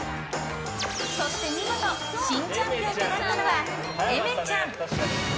そして見事新チャンピオンとなったのはえめちゃん！